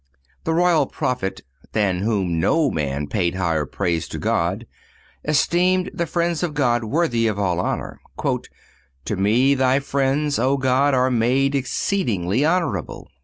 The Royal Prophet, than whom no man paid higher praise to God, esteemed the friends of God worthy of all honor: "To me Thy friends, O God, are made exceedingly honorable."